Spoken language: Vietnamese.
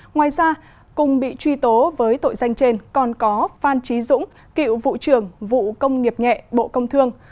ngoài ra cùng bị truy tố với tội danh trên còn có phan trí dũng cựu vụ trưởng vụ công nghiệp nhẹ bộ công thương